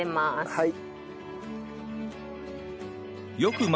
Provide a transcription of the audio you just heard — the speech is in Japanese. はい！